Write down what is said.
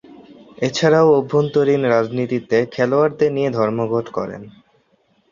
এছাড়াও অভ্যন্তরীণ রাজনীতিতে খেলোয়াড়দের নিয়ে ধর্মঘট করেন।